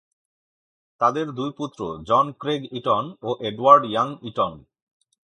তাদের দুই পুত্র জন ক্রেগ ইটন ও এডওয়ার্ড ইয়াং ইটন।